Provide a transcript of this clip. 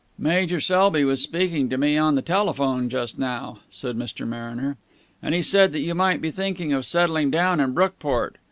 "Major Selby was speaking to me on the telephone just now," said Mr. Mariner, "and he said that you might be thinking of settling down in Brookport.